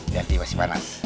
liat dia masih panas